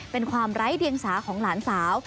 เป็นความไร้เดียงสาของหลานสาว